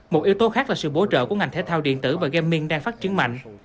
một yếu tố khác là sự bổ trợ của ngành thể thao điện tử và game đang phát triển mạnh